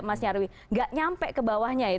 mas nyarwi tidak sampai ke bawahnya